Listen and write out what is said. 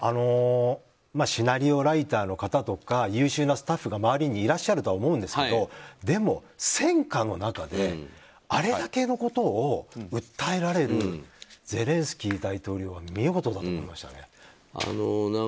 シナリオライターの方とか優秀なスタッフの方が周りにいらっしゃるとは思うんですけどでも、戦火の中であれだけのことを訴えられるゼレンスキー大統領は見事だと思いましたね。